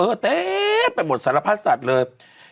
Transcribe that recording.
แล้วก็เต้ปะหมดสารพัดสัตว์เลย